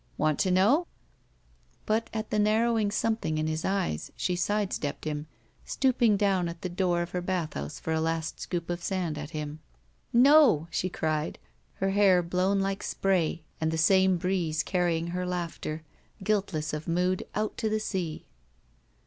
"Want to know?" But at the narrowing scmiething in his eyes she sidestepped him, stooping down at the door of her bathhouse for a last scoop of sand at him. "No," she cried, her hair blown like spray and the same breeze carrying her laughter, guiltless of mood, out to sea.